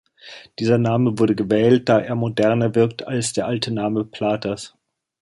Dieser Name wurde gewählt, da er moderner wirkte, als der alte Name Platers.